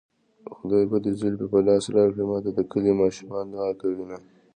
خدای به دې زلفې په لاس راکړي ماته د کلي ماشومان دوعا کوينه